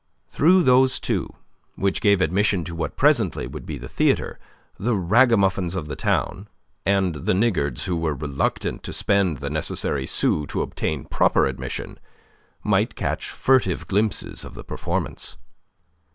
Through those two, which gave admission to what presently would be the theatre, the ragamuffins of the town, and the niggards who were reluctant to spend the necessary sous to obtain proper admission, might catch furtive glimpses of the performance.